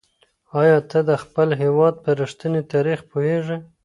ایا ته د خپل هېواد په رښتیني تاریخ پوهېږې؟